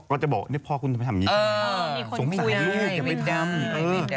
ก็จะบอกพ่อต้องทำแบบนี้